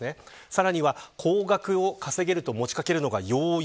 さらには、高額を稼げると持ちかけるのが容易。